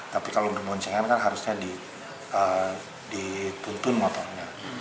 tapi kalau berboncengan kan harusnya dituntun motornya